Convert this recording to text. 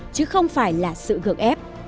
chứ không phải là sự gợt ép